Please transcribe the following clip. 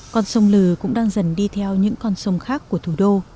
con sông lừ cũng đang dần đi theo những con sông khác của thủ đô